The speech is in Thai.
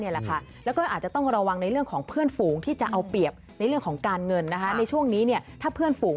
โอเคงั้นงวดนี้ข้ามไปก่อนนะงวดนี้ข้ามไปก่อน